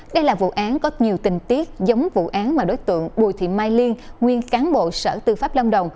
đây là vụ án có nhiều tình tiết giống vụ án mà đối tượng bùi thị mai liên nguyên cán bộ sở tư pháp lâm đồng